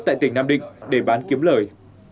tại tỉnh nam định để bán kiếm lời